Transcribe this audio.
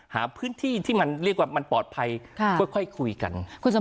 หาพื้นที่ที่มันปลอดภัยค่อยคุยกัน